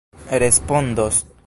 respondos